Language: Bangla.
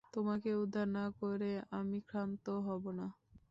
তোমাকে উদ্ধার না করে আমি ক্ষান্ত হবো না।